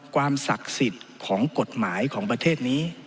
ความศักดิ์สิทธิ์ของกฎหมายของประเทศนี้